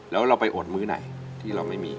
แล้วเราไปอดมื้อไหนที่เราไม่มี